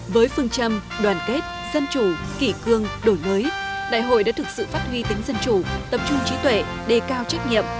với phương châm đoàn kết dân chủ kỷ cương đổi mới đại hội đã thực sự phát huy tính dân chủ tập trung trí tuệ đề cao trách nhiệm